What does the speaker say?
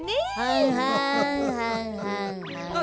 はんはんはんはんはんはん。